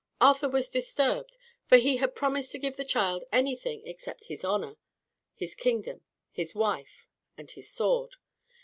Arthur was disturbed, for he had promised to give the child anything except his honor, his kingdom, his wife, and his sword.